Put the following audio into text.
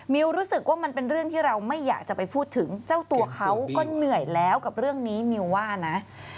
รู้สึกว่ามันเป็นเรื่องที่เราไม่อยากจะไปพูดถึงเจ้าตัวเขาก็เหนื่อยแล้วกับเรื่องนี้มิวว่านะ